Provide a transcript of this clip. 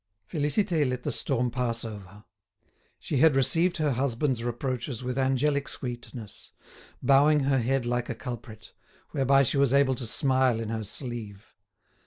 Félicité let the storm pass over. She had received her husband's reproaches with angelic sweetness, bowing her head like a culprit, whereby she was able to smile in her sleeve.